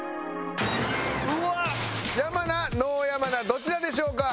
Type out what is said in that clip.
「山名ノー山名どちらでしょうか？」